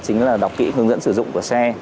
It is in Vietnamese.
chính là đọc kỹ hướng dẫn sử dụng của xe